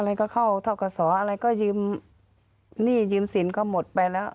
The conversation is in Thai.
อะไรก็เข้าเท่ากับสออะไรก็ยืมหนี้ยืมสินก็หมดไปแล้ว